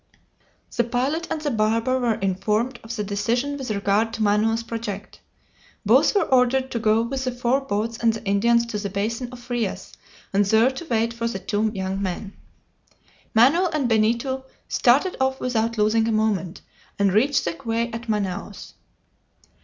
The pilot and the barber were informed of the decision with regard to Manoel's project. Both were ordered to go with the four boats and the Indians to the basin of Frias, and there to wait for the two young men. Manoel and Benito started off without losing a moment, and reached the quay at Manaos.